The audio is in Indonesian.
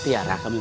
tidak akan bisa ma